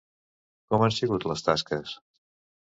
Com han sigut les tasques?